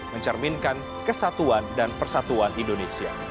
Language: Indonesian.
mencerminkan kesatuan dan persatuan indonesia